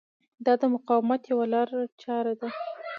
دا د مقاومت یوه لارچاره ده.